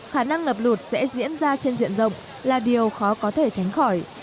khả năng ngập lụt sẽ diễn ra trên diện rộng là điều khó có thể tránh khỏi